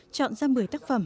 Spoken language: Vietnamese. chọn ra một mươi tác phẩm